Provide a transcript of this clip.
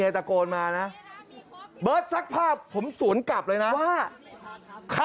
ดอมดูไว้นะคะ